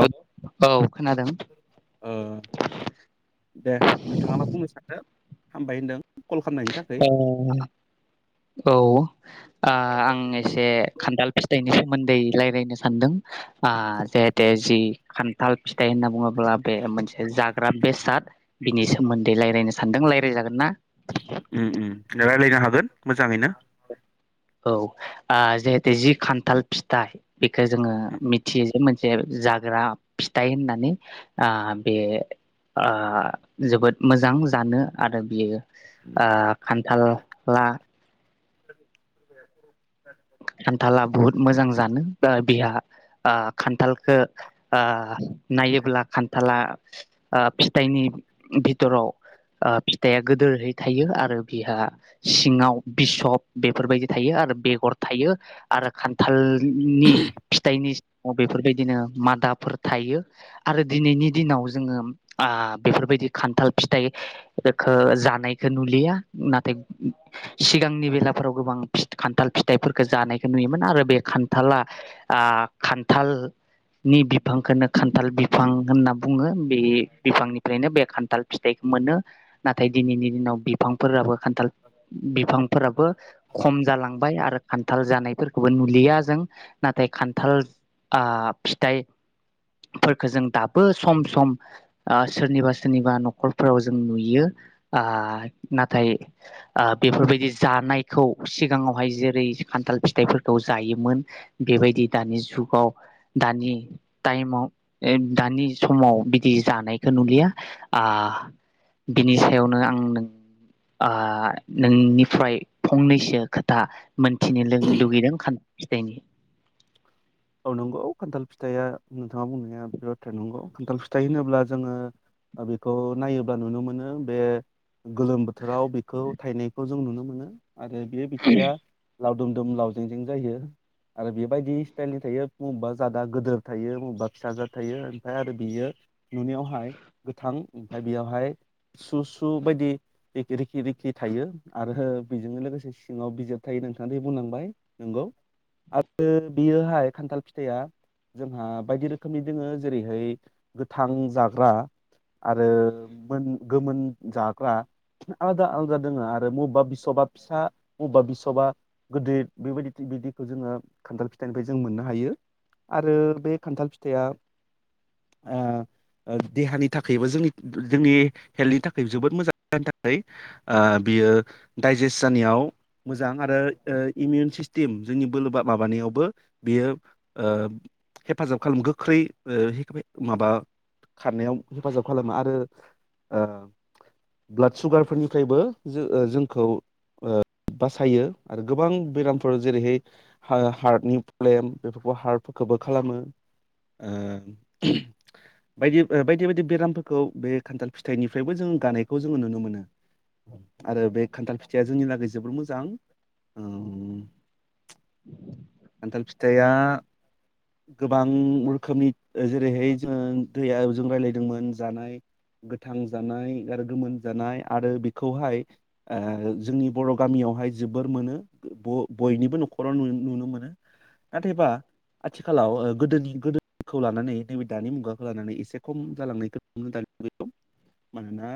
हेल औ खोनादों दे नोंथाङा मा बुंनो सानदों हामबाय होनदों कल खालामनायनि थाखाय औ औ आ आं एसे खान्थाल फिथाइनि सोमोन्दै रायज्लायनो सानदों आ जेहेते जि खान्थाल फिथाइ होनना बुङो ब्ला बे मोनसे जा ग्रा बेसाद बिनि सोमोन्दै रायलायनो सानदों रायलायजागोन ना [inaudible] ओम ओम रायज्लायनो हागोन मोजाङैनो औ ओ जेहेतु जि खान्थाल फिथाइ बेखौ जोङो मिथियो मोनसे जाग्रा फिथाइ होननानै ओ बे ओ जोबोद मोजां जानो आरो बियो ओ खान्थाला खान्थाला बुहुत मोजां जानो बिहा ओ खान्थालखौ ओ नायोब्ला खान्थाला ओ फिथाइनि भितराव ओ फिथाइया गोदोरहै थायो आरो बिहा सिङाव बिसब बेफोरबायदि थायो आरो बेगर थायो आरो खान्थाल नि फिथाइनि सिङाव बेफोरबायदिनो मा दाफोर थायो आरो दिनैनि दिनाव जोङो ओ बेफोरबायदि खान्थाल बेखौ फिथाइखौ जानायखौ नुलिया नाथाय सिगांनि बेलाफोराव गोबां खान्थाल फि फिथाइफोरखौ जानायखौ नुयोमोन आरो बे खान्थाला ओ खान्थालनि बिफांखौनो खान्थाल बिफां होनना बुङो बे बिफांनिफ्रायनो बे खान्थाल फिथाइखौ मोनो नाथाय दिनैनि दिनाव बिफांफोराबो खान्थाल बिफांफोराबो खम जालांबाय आरो खान्थाल जानायफोरखौबो नुलिया जों नाथाय खान्थाल आ फिथाइफोरखौ जों दाबो सम सम सोरनिबा सोरनिबा न'खरफोराव जों नुयो आ नाथाय बेफोरबायदि जानायखौ सिगाङावहाय जेरै खान्थाल फिथाइफोरखौ जायोमोन बेबायदि दानि जुगाव दानि टाइमाव दानि समाव बिदि जानायखौ नुलिया आ बिनि सायावनो आं नों ओ नोंनिफ्राय फंनैसो खोथा मोनथिनो लु-लुगैदों फिथाइनि औ नंगौ खान्थाल फिथाया नोंथाङा बुंनाया बि बाथ्राया नंगौ खान्थाल फिथाइ होनोब्ला जोङो ओ बेखौ नायोब्ला नुनो मोनो बे गोलोम बोथोराव बेखौ थायनायखौ जों नुनो मोनो आरो बे बिथाया लावदुमदुम लावजेंजें जायो आरो बेबायदि स्टाइल नि थायो बबेबा जादा गोदोर थायो बबेबा फिसाजाद थायो ओमफ्राय आरो बियो नुनायावहाय गोथां ओमफ्राय बेयावहाय सु सु बायदि रिखि रिखि रिखि थायो आरो बेजोंनो लोगोसे सिङाव बिजिर थायो नोंथाङा दि बुंलांबाय नोंगौ आरो बेयोहाय खान्थाल फिथाइया जोंहा बायदि रोखोमनि दोङो जेरैहाय गोथां जाग्रा आरो मोन गोमोन जाग्रा आलादा आलादा दोङो आरो बबेबा बिसबा फिसा बबेबा बिसबा गोदिर बेबायदि बिदिखौ जोङो खान्थाल फि फिथाइनिफ्राय जों मोननो हायो आरो बे खान्थाल फिथाइया ओ देहानि थाखायबो जोंनि जोंनि हेल्थनि थाखायबो जोबोद मोजां जायनि थाखाय ओ बियो दाइजेस्ट जानायाव मोजां आरो ओ इमिउन सिस्टेम जोंनि बोलोबा माबानायावबो बेयो ओ हेब हेफाजाब खालामो गोख्रै ओ हे माबा खारनायाव हेफाजाब खालामो आरो ओ ब्लाड सुगारफोरनिफ्रायबो जो ओ जोंखौ ओ। बासायो आरो गोबां बेराम जेरैहाय हारटनि प्लेम बेफोरखौ हार्टफोरखौबो खालामो बायदि बायदि बायदि बेरामफोरखौ बे खान्थाल फिथाइनिफ्रायबो जों गानायखौ जोङो नुनो मोनो आरो बे खान्थाल फिथाइया जोंनि थाखै जोबोर मोजां। खान्थाल फिथाइया गोबां रोखोमनि जेरैहाय जोङो दैया जों रायज्लायदोंमोन जानाय गोथां जानाय आरो गोमोन जानाय आरो बेखौहाय ओ जोंनि बर' गामियावहाय जोबोर मोनो बयनिबो न'खराव नुनो मोनो। नाथायबा आथिखालाव गोदोनि गोदो खौ लानानै नैबे दानि मुगाखौ लानानै एसे खम जालांनायखौ नुनो मोनोना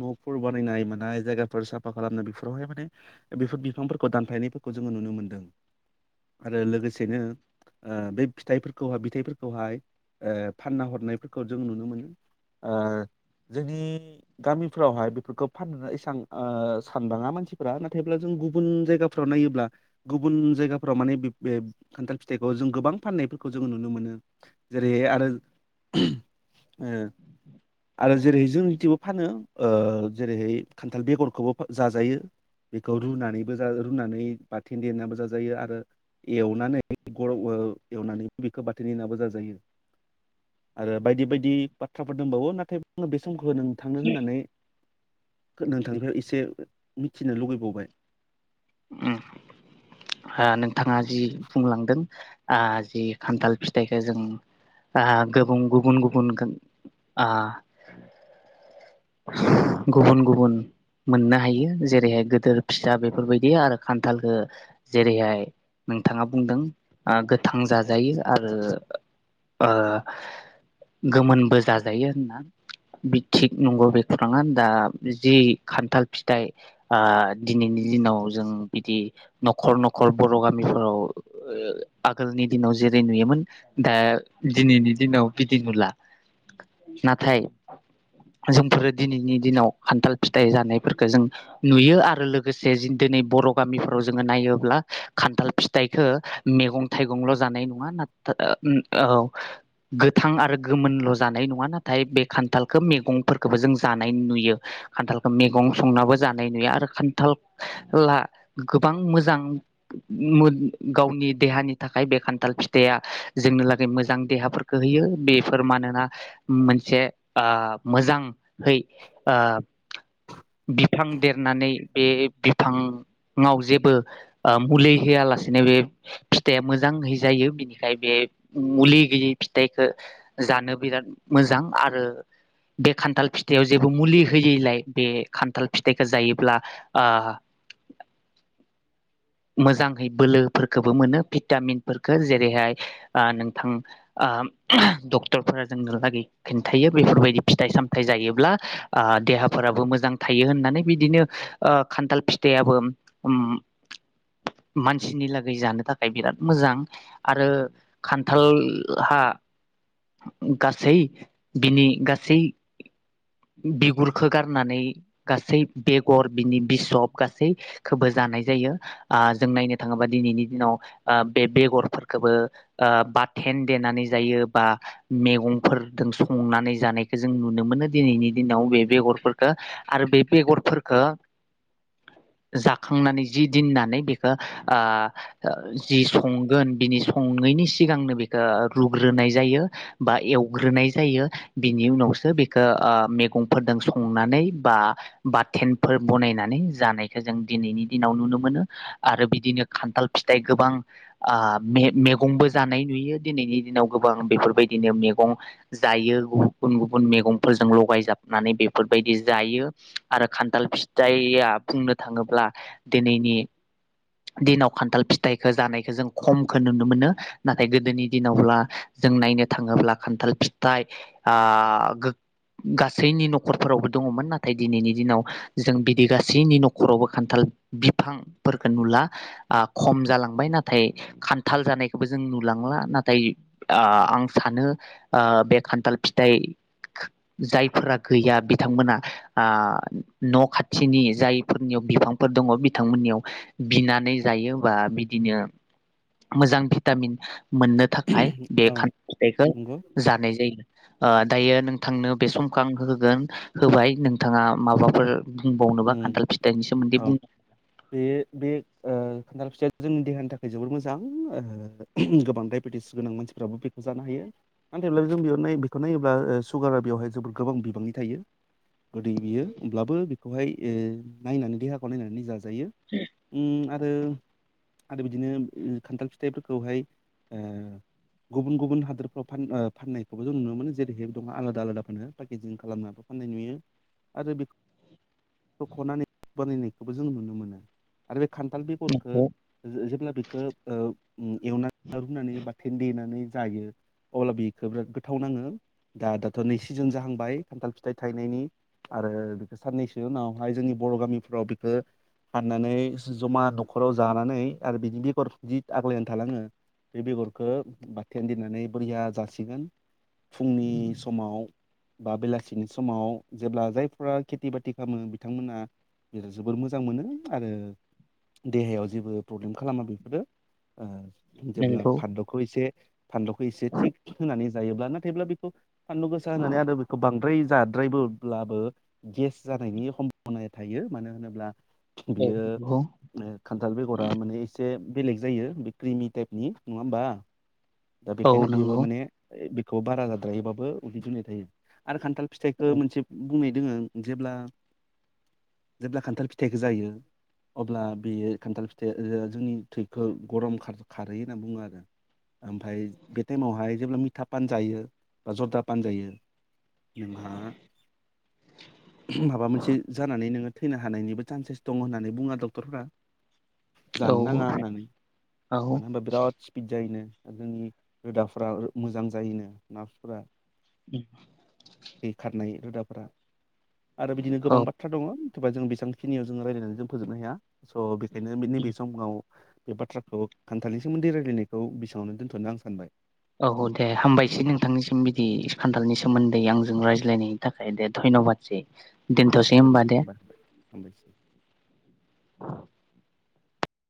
न'फोर बानायनाय मानाय जायगाफोर साफा खालामनाय बेफोरावहाय माने बेफोर बिफांफोरखौ दानफायनायफोरखौ जोङो नुनो मोनदों। आरो लोगोसेनो बे फिथाइफोरखौहाय फिथाइफोरखौहाय फानना हरनायफोरखौ जों नुनो मोनो जोंनि गामिफ्रावहाय बेफोरखौ फाननो एसबां सानबांआ मानसिफोरा नाथायब्ला जों गुबुन जायगाफ्राव नायोब्ला गुबुन जायगाफ्राव माने बिब बे खान्थाल फिथाइखौ जों गोबां फाननायफोरखौ जोङो नुनो मोनो जेरैहाय आरो आरो जेरैहाय जोंनिथिबो फानो ओ जेरैहाय खान्थाल बेगरखौबो जाजायो बेखौ रुनानैबो रुनानै बाथे देनानैबो जाजायो आरो। एवनानै गर' एवनानै बेखौ बाथोननि देनानैबो जाजायो आरो बायदि बायदि बाथ्राफोर दंबावो नाथाय। समखौ नोंथांनो होननानै नोंथांखौ एसे मिथिनो लुबैबावबाय। न [inaudible] नोंथाङा जि बुंलांदों। आ जि खान्थाल फिथाइखौ जों आ गुबुन गुबुन आ। गुबुन गुबुन मोननो हायो जेरैहाय गिदोर फिसा बेफोरबायदि आरो खान्थालखौ जेरैहाय नोंथाङा बुंदों ओ गोथां जाजायो आरो ओ गोमोनबो जाजायो होनना बि थिग नंगौ बे खौराङा दा जि खान्थाल फिथाइ आ दिनैनि दिनाव जों बिदि न'खर न'खर बर' गामिफोराव आगोलनि दिनाव जेरै नुयोमोन दा दिनैनि दिनाव बिदि नुला नाथाय। जोंफोरो दिनैनि दिनाव खान्थाल फिथाइ जानायफोरफोरखौ जों नुयो आरो लोगोसे दिनै बर' गामिफोराव जोङो नायोब्ला खान्थाल फिथाइखो मैगं थाइगंल' जानाय नङा ना गोथां आरो गोमोनल' जानाय नङा नाथाय बे खान्थालखौ मैगं फोरखौबो जों जानाय नुयो खान्थालखौ मैगं संनाबो जानाय नुयो आरो खान्थाला गोबां मोजां गावनि देहानि थाखाय बे खान्थाल फिथाइया जोंनो लागै मोजां देहाफोरखौ होयो बेफोर मानोना मोनसे आ मोजांहै आ बिफां देरनानै बे बिफाङाव जेबो मुलि होआलासेनो बे फिथाइया मोजांहै जायो बिनिखाय बे मुलि गैयै फिथाइखो जानो बिराद मोजां आरो। बे खान्थाल फिथाइआव जेबो मुलि होयैलाय बे खान्थाल फिथाइखौ जायोब्ला आ मोजांहै बोलोफोरखौबो मोनो भिटामिनफोरखो जेरैहाय नोंथां आ डक्टरफोरा जोंनोलागै खिन्थायो बेफोरबायदि। फिथाइ सामथायाइ जायोब्ला देहाफोराबो मोजां थायो होननानै बिदिनो खान्थाल फिथाइयाबो मानसिनि लागै जानो थाखाय बिराद मोजां आरो खान्थालहा। गासै बिनि गासै। बिगुरखौ गारनानै गासै बेगर बिनि बिसब गासैखोबो जानाय जायो आ जों नायनो थाङोबा दिनैनि दिनाव आ बे बेगरफोरखौबो ओ बाथेन देनानै जायो बा मैगंफोरदों संनानै जानायखौ जों नुनो मोनो। दिनैनि दिनाव बे बेगरफोरखौ आरो बे बेगरफोरखौ जाखांनानै जि दोननानै बेखो। जि संगोन बिनि संयैनि। सिगांनो बेखौ रुग्रोनाय जायो बा एवग्रोनाय जायो बिनि उनावसो बे मैगंफोरजों संनानै बा बाथोनफोर बनायनानै जानायखौ जों दिनैनि दिनाव नुनो मोनो आरो बिदिनो खान्थाल फिथाइ गोबां मैगंबो जानाय नुयो दिनैनि दिनाव गोबां बेफोरबायदिनो मैगं जायो गुबुन गुबुन मैगं। फोरजों लगायजाबनानै बेफोर बायदि जायो आरो खान्थाल फिथाइया बुंनो थाङोब्ला दिनैनि दिनाव खान्थाल फिथाइखौ जानायखौ जों खमखौ नुनो मोनो नाथाय गोदोनि दिनावब्ला जों नायनो थाङोब्ला खान्थाल फिथाइ। गासैनि नखरफोरावबो दङमोन नाथाय दिनैनि दिनाव जों बिदि गासैनि न'खरावबो खान्थाल बिफांफोरखौ नुला खम जालांबाय नाथाय खान्थाल जानायखौबो जों नुलांला नाथाय आं सानो बे खान्थाल फिथाइ। जायफोरा गैया बिथांमोना न' खाथिनि जायफोरनियाव बिफांफोर दङ बिथांमोननियाव बिनानै जायो बा बिदिनो मोजां भिटामिन। मोननो थाखाय बे औ खान्थाल फिथाइखौ नंगौ जानाय जायो। दायो। नोंथांनो बे सम होगोन होबाय नोंथाङा माबाफोर बुंबावनोबा खान्थाल फिथाइनि सोमोन्दै औ बुं बे बे खान्थाल फिथाइ जोंनि देहानि थाखाय जोबोर मोजां गोबां डायबेटिस गोनां मानसिफ्राबो बेखौ जानो हायो नाथायब्ला जों बेयावनाय बेखौ नायोब्ला सुगारा बेवहाय जोबोर गोबां बिबांनि थायो गोदै बियो होनब्लाबो। बेखौहाय नायनानै देहाखौ नायनानै जाजायो। [inaudible] आरो आरो बिदिनो खान्थाल फिथाइफोरखौहाय गुबुन गुबुन हादोरफ्राव फाननायखौबो जों नुनो मोनो जेरैहाय दं आलादा आलादा फानो पेकेजिं खालामनााबा फाननाय नुयो आरो बे। [inaudible] खान्थाल नंगौ बेगरखो जे-जेब्ला बेखो ओ ओम एवना था रुनानै बाथान देनानै जायो अब्ला बेखौ बिराद गोथाव नाङो दा-दाथ' नै सिजोन जाहांबाय खान्थाल फिथाइ थायनायनि आरो। साननैसो उनावहाय जोंनि बर' गामिफ्राव बेखौ, हाननानै जमा न'खराव जानानै आरो बिनि बेगर जि आग्लायना थालाङो बे बेगरखौ बााथेन दोननानै बोरिया जासिगोन। फुंनि समाव बा बेलासिनि समाव जेब्ला जायफोरा खेथि बाथि खालामो बिथांमोना जोबोर मोजां मोनो आरो देहायाव जेबो प्रब्लेम खालामा बेफोरो ओ जेब्ला नंगौ फालुखौ एसे फानलौखौ एसे थिग होनानै जायोब्ला नाथायब्ला बेखौ फानलु गोसा होननानै आरो बेखौ बां द्राय जाद्रायबोब्लाबो गेस जानायनि हमभनाया थायो मानो होनोब्ला? औ बियो नंगौ ओ खान्थाल बेगरा मानि एसे बेलेग जायो बे क्रिमि टाइपनि, नङा होमबा? दा औ बेखायनो बेबो नंगौ माने बे खौ बारा जाद्रायोबाबो उदै दुनाय थायो। आरो खान्थाल फिथाइखो मोनसे बुंनाय दोङो जेब्ला जेब्ला खान्थाल फिथाइखो जायो अब्ला बेयो खान्थाल फिथाइ ओ जोंनि थैखौ गरम खार खारहोयो होनना बुङो आरो। ओमफ्राय बे टाइमावहाय जेब्ला मिथा फान जायो, बा जर्दा फान जायो, नोंहा माबा मोनसे जानानै नोङो थैनो हानायनिबो चान्सेस दङ होननानै बुङो डक्टरफोरा। औ जानो नाङा होननानै औ मानो होनबा बिराद स्पिड जायोनो। जोंनि रोदाफोरा मोजां जायोनो नार्पफोरा। ओम। थै खारनाय रोदाफोरा आरो बिदिनो गोबां बाथ्रा दङ थोबा जों बेसांखिनियाव जोङो रायलायनानै जों फोजोबनो हाया स' बेखायनो बे नैबे समाव बे बाथ्राखौ खान्थालनि सोमोन्दै रायल्लायनायखौ बि बावनो दोन्थ'नो आं सानबाय औ दे हामबायसै नोंथांनिसिम बिदि खान्थालनि सोमोन्दै आंजों रायज्लायनायनि थाखाय दे धन्य'बादसै दोनथ'सै होमबा दे धन्यबाद [unintelligible] हामबायसै